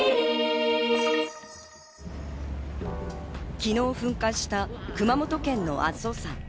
昨日、噴火した熊本県の阿蘇山。